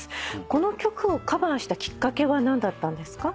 この曲をカバーしたきっかけは何だったんですか？